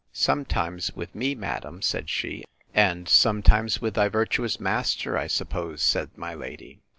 Sometimes with me, madam, said she. And sometimes with thy virtuous master, I suppose? said my lady.